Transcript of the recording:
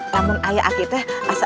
namun ayah aku itu